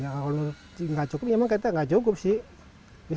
kalau nggak cukup memang kita nggak cukup sih